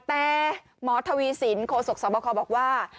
แต่หมอทวีสินโคศกสบคบอกว่า